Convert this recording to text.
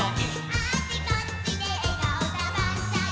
「あっちこっちでえがおだバンザイ」